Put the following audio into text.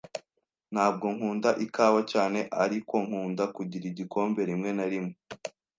Ntabwo nkunda ikawa cyane, ariko nkunda kugira igikombe rimwe na rimwe.